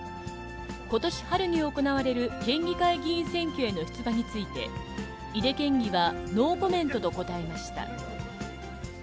ことし春に行われる県議会議員選挙への出馬について、井手県議はノーコメントと答えました。